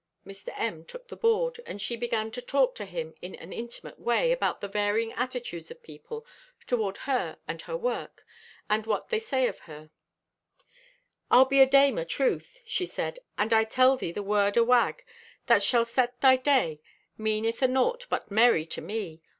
Mr. M. took the board, and she began to talk to him in an intimate way about the varying attitudes of people toward her and her work, and what they say of her: "I be a dame atruth," she said, "and I tell thee the word o' wag that shall set thy day, meaneth anaught but merry to me.